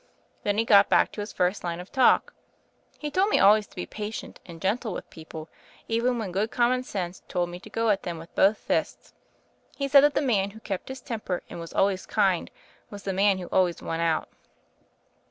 Then he got back to his first line of talk. He told me al ways to be patient and gentle with people even when good common sense told me to go at them with both fists. He said that the man who kept his temper and was always kind was the man who always won out."